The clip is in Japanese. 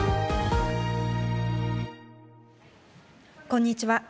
こんにちは。